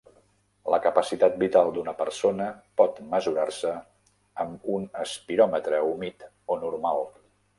La capacitat vital d'una persona pot mesurar-se amb un espiròmetre humit o normal.